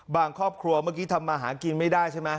ครอบครัวเมื่อกี้ทำมาหากินไม่ได้ใช่ไหม